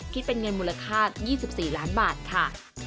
คิดเป็นเงินมูลค่า๒๔ล้านบาทค่ะ